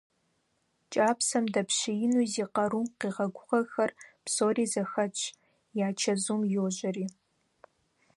КӀапсэм дэпщеину зи къарум къигъэгугъэхэр псори зэхэтщ, я чэзум йожьэри.